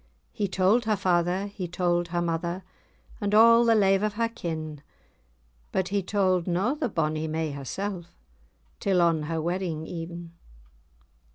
He told her father, he told her mother, And a' the lave[#] o' her kin; But he told na the bonny may hersell, Till on her wedding e'en.